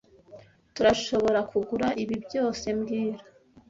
Tturashoborakugura ibi byose mbwira